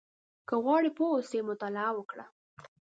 • که غواړې پوه اوسې، مطالعه وکړه.